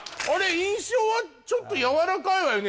印象はちょっとやわらかいわよね